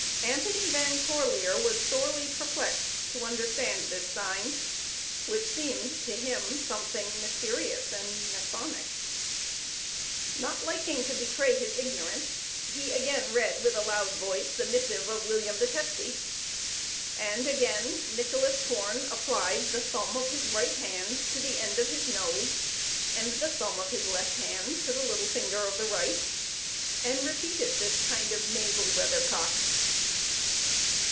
Anthony Van Corlear was sorely perplexed to understand this sign, which seemed to him something mysterious and masonic. Not liking to betray his ignorance, he again read with a loud voice the missive of William the Testy, and again Nicholas Koorn applied the thumb of his right hand to the end of his nose, and the thumb of his left hand to the little finger of the right, and repeated this kind of nasal weathercock.